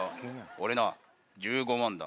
俺な１５万だ。